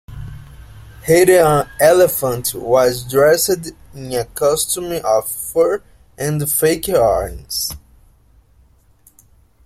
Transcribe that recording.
Rather, an elephant was dressed in a costume of fur and fake horns.